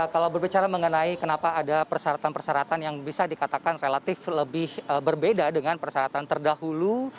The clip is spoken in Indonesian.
kalau berbicara mengenai kenapa ada persyaratan persyaratan yang bisa dikatakan relatif lebih berbeda dengan persyaratan terdahulu